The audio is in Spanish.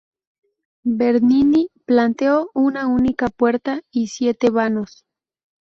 Bernini planteó una única puerta y siete vanos.